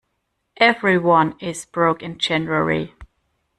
Everyone is broke in January.